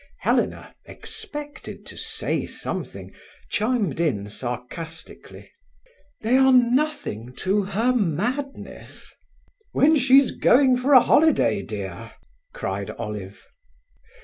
Helena, expected to say something, chimed in sarcastically: "'They are nothing to her madness—'" "When she's going for a holiday, dear," cried Olive.